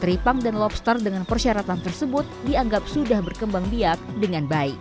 tripang dan lobster dengan persyaratan tersebut dianggap sudah berkembang biak dengan baik